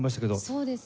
そうですね。